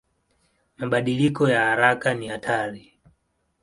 Mabadiliko ya haraka ni hatari.